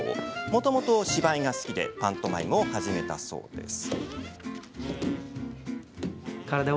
もともと芝居が好きでパントマイムを始めたそうです。